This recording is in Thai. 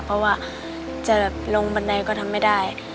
เพราะว่าจะลงบันไดก็ทำไม่ได้